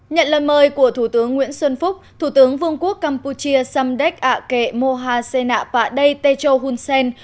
nhận lời mời của thủ tướng nguyễn xuân phúc thủ tướng vương quốc campuchia samdek ake mohasena padey techo hunsen